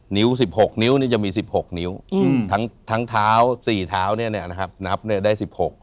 นิ้ว๑๖นิ้วจะมี๑๖นิ้วทั้งเท้า๔เท้าเนี่ยนะครับนับได้๑๖